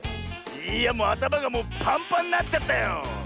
いやあたまがもうパンパンになっちゃったよ！